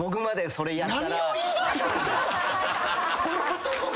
この男が。